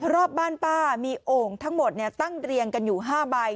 รอบบ้านป้ามีโอ่งทั้งหมดตั้งเรียงกันอยู่๕ใบ